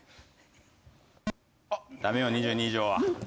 ダメよ２２以上は。